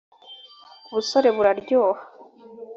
ubusore buraryoha.